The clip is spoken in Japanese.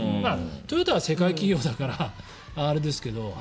トヨタは世界企業だからあれですけど。